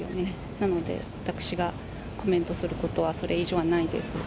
なので、私がコメントすることは、それ以上はないです。